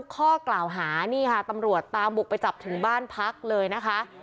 ข้อกล่าวหานี่ค่ะตำรวจตามบุกไปจับถึงบ้านพักเลยนะคะ